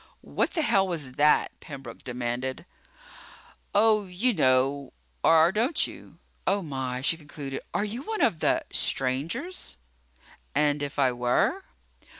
"What the hell was that?" Pembroke demanded. "Oh, you know or don't you? Oh, my," she concluded, "are you one of the strangers?" "And if I were?"